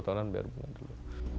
ya sepuluh tahunan bayar bunga dulu